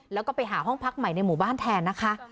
แล้วก็ไปหาห้องพักใหม่ในหมู่บ้านแทนนะคะ